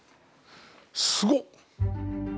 すごっ！